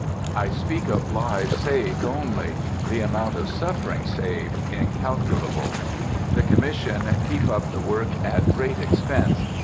I speak of lives saved only; the amount of suffering saved is incalculable. The Commission keep up the work at great expense.